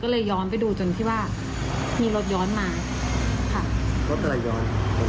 ก็เลยย้อนไปดูจนที่ว่ามีรถย้อนมาค่ะรถอะไรย้อน